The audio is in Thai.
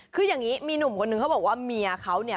คืออย่างนี้มีหนุ่มคนนึงเขาบอกว่าเมียเขาเนี่ย